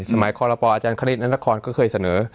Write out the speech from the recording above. สมัยคอลระปอร์อาจารย์คณิตนักละครก็เคยเสนอ